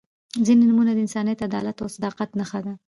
• ځینې نومونه د انسانیت، عدالت او صداقت نښه ده.